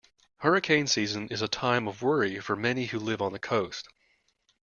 Hurricane season is a time of worry for many who live on the coast.